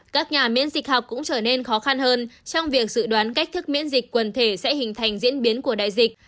các nhà miễn dịch học cũng trở nên khó khăn hơn trong việc dự đoán cách thức miễn dịch quần thể sẽ hình thành diễn biến của đại dịch